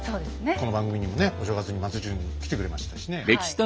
この番組にもねお正月に松潤来てくれましたしね。